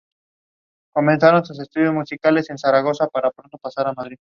Su ubicación exacta aún hoy es una incógnita.